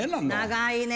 長いね。